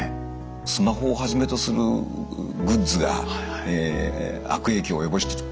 スマホをはじめとするグッズが悪影響を及ぼしていると。